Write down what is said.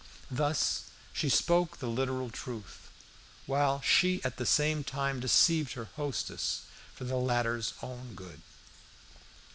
Thus, she spoke the literal truth, while she at the same time deceived her hostess for the latter's own good.